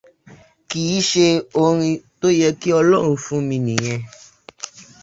Kìí ṣe orin tó yẹ kí ọlọ́run fún mi nìyẹn.